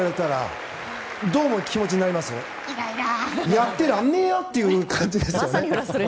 やってらんねえよ！って感じですよね。